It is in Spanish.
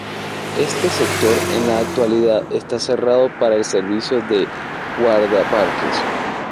Este sector en la actualidad está cerrado para el servicio de Guardaparques.